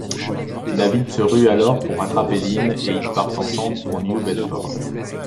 David se rue alors pour rattraper Lynn et ils partent ensemble pour New Bedford.